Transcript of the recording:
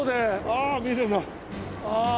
ああ。